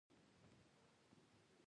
شېخ اسعد سوري لومړی قصيده و يونکی دﺉ.